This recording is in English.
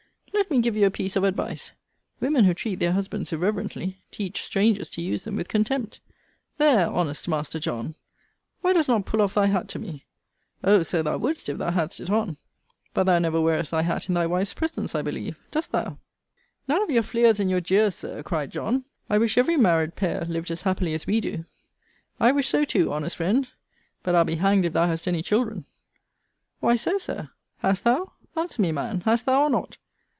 Let me give you a piece of advice women who treat their husbands irreverently, teach strangers to use them with contempt. There, honest master John; why dost not pull off thy hat to me? Oh! so thou wouldst, if thou hadst it on: but thou never wearest thy hat in thy wife's presence, I believe; dost thou? None of your fleers and your jeers, Sir, cried John. I wish every married pair lived as happily as we do. I wish so too, honest friend. But I'll be hanged if thou hast any children. Why so, Sir? Hast thou? Answer me, man: Hast thou, or not?